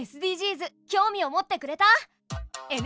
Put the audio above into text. ＳＤＧｓ興味を持ってくれた？